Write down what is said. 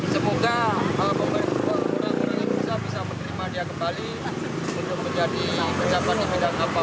semoga orang orang yang bisa bisa menerima dia kembali untuk menjadi penjagaan di bidang kampung